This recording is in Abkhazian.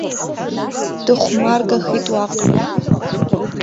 Дыхәмаргахеит уаҟа.